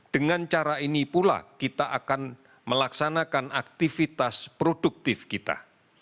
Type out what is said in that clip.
dengan cara ini pula kita akan melaksanakan aktivitas produktif kita